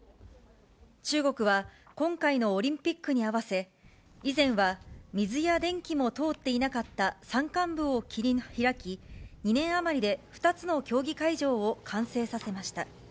中国は、今回のオリンピックに合わせ、以前は水や電気も通っていなかった、山間部を切り開き、２年余りで２つの競技会場を完成させました。